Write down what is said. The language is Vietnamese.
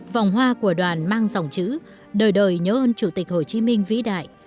vòng hoa của đoàn mang dòng chữ đời đời nhớ ơn chủ tịch hồ chí minh vĩ đại